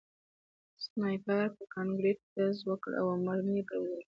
سنایپر په کانکریټ ډز وکړ او مرمۍ پرې ولګېده